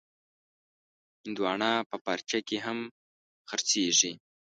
هندوانه په پارچه کې هم خرڅېږي.